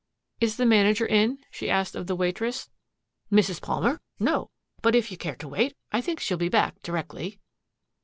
"Is the manager in?" she asked of the waitress. "Mrs. Palmer? No. But, if you care to wait, I think she'll be back directly."